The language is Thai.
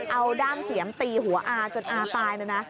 เอาด้ามเสียมตีหัวอาจนอาตายนะนะ